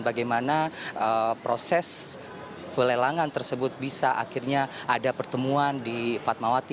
bagaimana proses pelelangan tersebut bisa akhirnya ada pertemuan di fatmawati